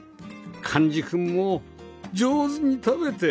寛司くんも上手に食べて